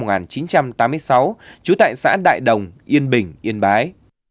năm một nghìn chín trăm tám mươi sáu trú tại xã đại đồng yên bình yên bái